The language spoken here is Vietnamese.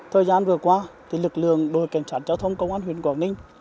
thời gian vừa qua lực lượng đội kiểm soát giao thông công an huyện quảng ninh